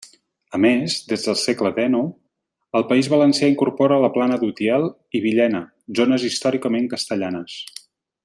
A més, des del segle dènou el País Valencià incorpora la Plana d'Utiel i Villena, zones històricament castellanes.